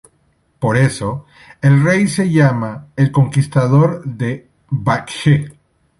Por eso, el rey se llama el conquistador de Baekje.